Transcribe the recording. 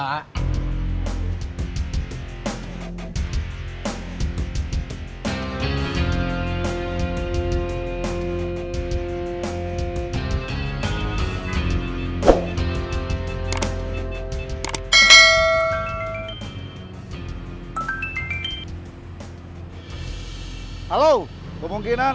wah lebih chitta